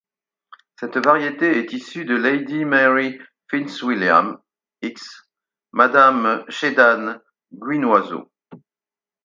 Cette variété est issue de 'Lady Mary Fitzwilliam' x 'Madame Chédanne-Guinoisseau'.